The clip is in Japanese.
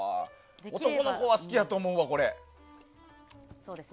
男の子は好きやと思うわ、これ。